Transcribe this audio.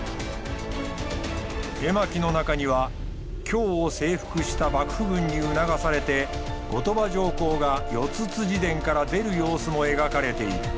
絵巻の中には京を征服した幕府軍に促されて後鳥羽上皇が四殿から出る様子も描かれている。